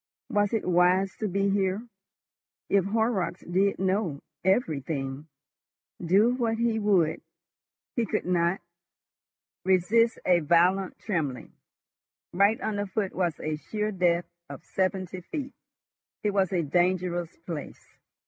Was it wise to be here? If Horrocks did know—everything! Do what he would, he could not resist a violent trembling. Right under foot was a sheer depth of seventy feet. It was a dangerous place.